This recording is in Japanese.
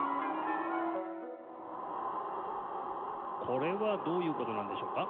これはどういう事なんでしょうか？